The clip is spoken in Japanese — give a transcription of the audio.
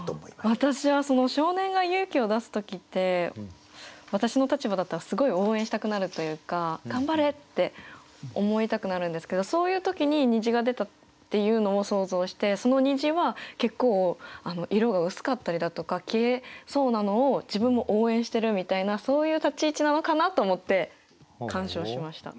私は少年が勇気を出す時って私の立場だったらすごい応援したくなるというか頑張れ！って思いたくなるんですけどそういう時に虹が出たっていうのを想像してその虹は結構色が薄かったりだとか消えそうなのを自分も応援してるみたいなそういう立ち位置なのかなと思って鑑賞しました。